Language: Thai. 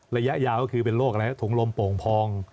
ระยะยาวก็คือเป็นโรคอะไรถุงลมโป่งพอง